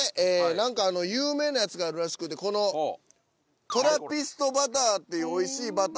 何か有名なやつがあるらしくてこのトラピストバターっていうおいしいバター。